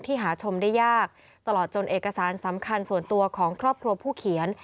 หาชมได้ยากตลอดจนเอกสารสำคัญส่วนตัวของครอบครัวผู้เขียน